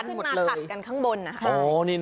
ก็คือขัดกันข้างบน